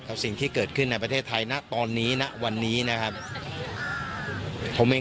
สิ่งที่เกิดขึ้นในประเทศไทยณตอนนี้ณวันนี้นะครับผมเอง